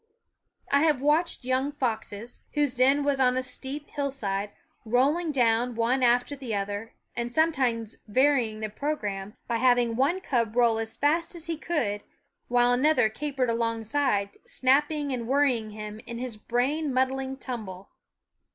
I have watched young foxes, whose den was on a steep hillside, rolling down one after the other, and sometimes varying the programme by having one cub roll as fast as he could, ^27 / JC* 71 wn il e another capered alongside, snapping /r^, p ^ and worrying him in his brain muddling tumble.